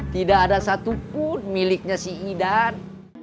tidak ada satupun miliknya si idan